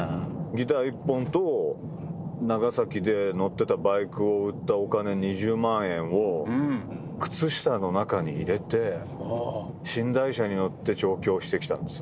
ギター１本と長崎で乗ってたバイクを売ったお金２０万円を靴下の中に入れて寝台車に乗って上京してきたんですよね。